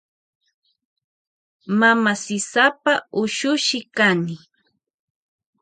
Mama sisapa ushushi kani.